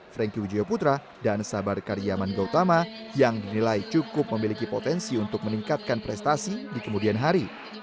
franky wijaya putra dan sabar karyaman gautama yang dinilai cukup memiliki potensi untuk meningkatkan prestasi di kemudian hari